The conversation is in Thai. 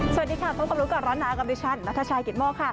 สวัสดีค่ะพบกับโลกของร้อนหาอักฎิชันนัธชัยกิทมพ